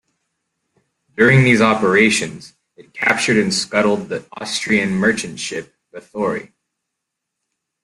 During these operations it captured and scuttled the Austrian merchant ship "Bathori".